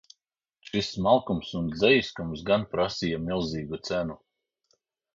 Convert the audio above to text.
Šis smalkums un dzejiskums gan prasīja milzīgu cenu.